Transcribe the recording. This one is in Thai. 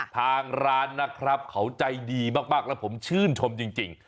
ทางร้านนะครับเขาใจดีมากแล้วผมชื่นชมจริง